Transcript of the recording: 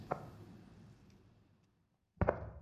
আমাদের শুঁকে ফেলেছে সে।